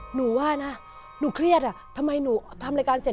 หนูว่านะหนูเครียดอ่ะทำไมหนูทำรายการเสร็จ